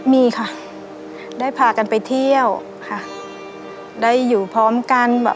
มีค่ะได้พากันไปเที่ยวค่ะได้อยู่พร้อมกัน